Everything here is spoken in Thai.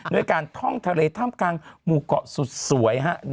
ด้วยการท่องทะเลท่ามกลางหมู่เกาะสุดสวย